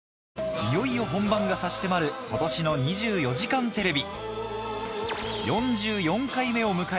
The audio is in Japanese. いよいよ本番が差し迫る今年の『２４時間テレビ』